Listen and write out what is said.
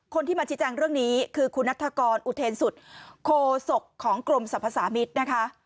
คนที่มาชี้แจงเรื่องนี้คือคุณนัฐกรอุเทนสุดโคศกของกรมสรรพสามิตรนะคะ